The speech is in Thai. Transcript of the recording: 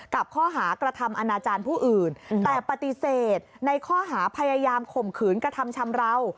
กับข้อหากระทำอนาจารย์ผู้อื่นแต่ปฏิเสธในข้อหาพยายามข่มขืนกระทำชำราว